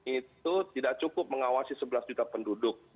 itu tidak cukup mengawasi sebelas juta penduduk